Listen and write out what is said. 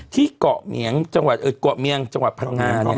ที่เกาะเหมียงจังหวัดเกาะเมียงจังหวัดพังงา